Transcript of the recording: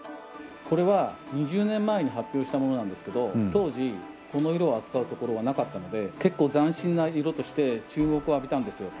これは２０年前に発表したものなんですけど当時この色を扱うところはなかったので結構斬新な色として注目を浴びたんですよ。